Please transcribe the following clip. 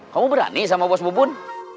kamu berani sama bos mubun